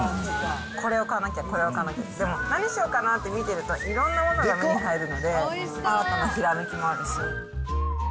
これを買わなきゃ、これを買わなきゃ、でも何しようかなって見てると、いろんなものが目に入るので、新たなひらめきもあるし。